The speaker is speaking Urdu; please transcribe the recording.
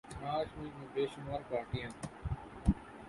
آج ملک میں بے شمار پارٹیاں